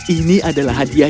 ini adalah hadiah